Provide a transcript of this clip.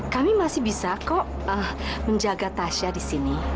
kami masih bisa kok menjaga tasya di sini